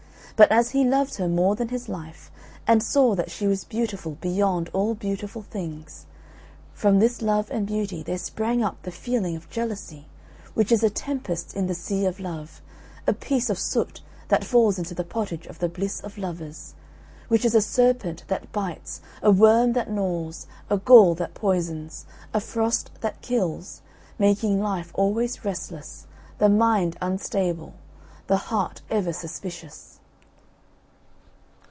But as he loved her more than his life, and saw that she was beautiful beyond all beautiful things, from this love and beauty there sprang up the feeling of jealousy, which is a tempest in the sea of love, a piece of soot that falls into the pottage of the bliss of lovers which is a serpent that bites, a worm that gnaws, a gall that poisons, a frost that kills, making life always restless, the mind unstable, the heart ever suspicious.